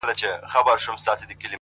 • ما پرېږده چي مي ستونی په سلګیو اوبومه,